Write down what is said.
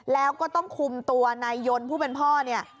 แล้วก็ต้องคุมตัวนายยนต์ผู้เป็นพ่อเนี่ย